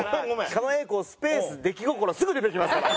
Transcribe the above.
「狩野英孝」スペース「出来心」すぐ出てきますから。